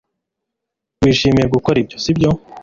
wishimiye gukora ibyo, sibyo